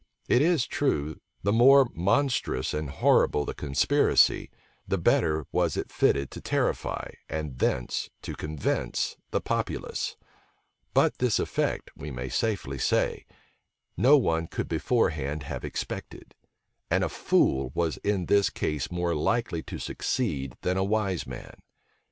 It is true the more monstrous and horrible the conspiracy, the better was it fitted to terrify, and thence to convince, the populace: but this effect, we may safely say, no one could beforehand have expected; and a fool was in this case more likely to succeed than a wise man.